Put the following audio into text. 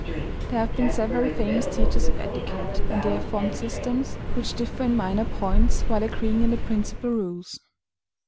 There have been several famous teachers of etiquette, and they have formed systems which differ in minor points, while agreeing in the principal rules.